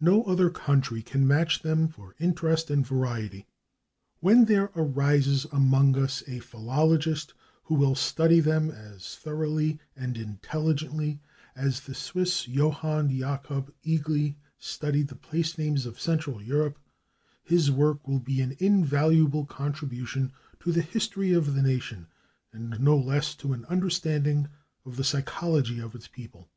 No other country can match them for interest and variety. When there arises among us a philologist who will study them as thoroughly and intelligently as the Swiss, Johann Jakob Egli, studied the place names of Central Europe, his work will be an invaluable contribution to the history of the nation, and no less to an understanding of the psychology of its people.